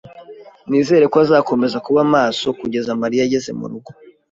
Nizere ko azakomeza kuba maso kugeza Mariya ageze murugo.